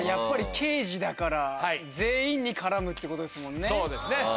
刑事だから全員に絡むってことですもんね。